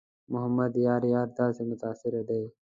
محمد یار یار داسې متاثره دی.